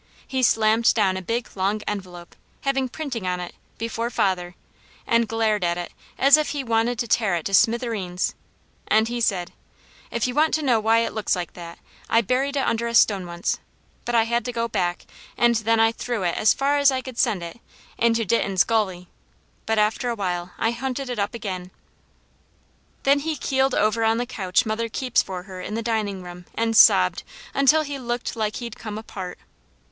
He slammed down a big, long envelope, having printing on it, before father, and glared at it as if he wanted to tear it to smithereens, and he said: "If you want to know why it looks like that, I buried it under a stone once; but I had to go back, and then I threw it as far as I could send it, into Ditton's gully, but after a while I hunted it up again!" Then he keeled over on the couch mother keeps for her in the dining room, and sobbed until he looked like he'd come apart.